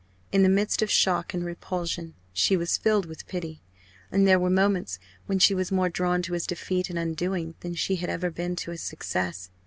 In the midst of shock and repulsion, she was filled with pity; and there were moments when she was more drawn to his defeat and undoing, than she had ever been to his success.